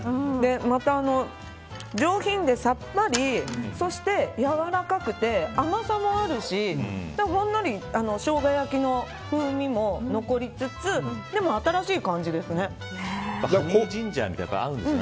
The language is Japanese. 上品でさっぱりそして、やわらかくて甘さもあるしほんのりしょうが焼きの風味も残りつつでも新しい感じですね。